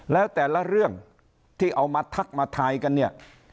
แล้วแต่ละเรื่องที่เอามาทักมาทายกันเนี่ย